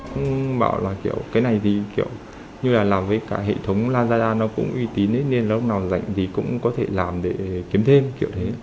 cũng bảo là kiểu cái này thì kiểu như là làm với cả hệ thống lazada nó cũng uy tín nên lúc nào rảnh thì cũng có thể làm để kiếm thêm kiểu thế